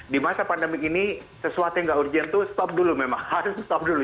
di masa pandemi ini sesuatu yang nggak urgent tuh stop dulu memang harus stop dulu